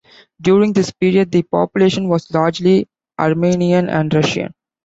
During this period, the population was largely Armenian and Russian.